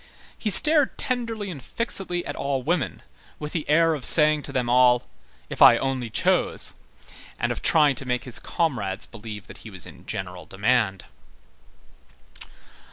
He stared tenderly and fixedly at all women, with the air of saying to them all: "If I only chose!" and of trying to make his comrades believe that he was in general demand.